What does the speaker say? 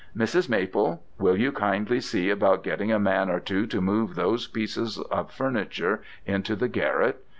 Mrs. Maple, will you kindly see about getting a man or two to move those pieces of furniture into the garret?'